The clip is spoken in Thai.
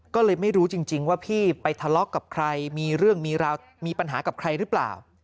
ก็เลยไม่รู้จริงว่าพี่ไปทะเลาะกับใครมีเรื่องมีราวมีปัญหากับใครหรือเปล่า